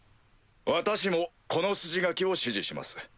私もこの筋書きを支持します。